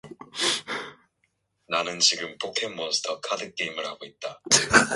신철이는 어젯밤 동무가 세세히 말해 준 대로 다시 한번 되풀이하며 거리로 나왔다.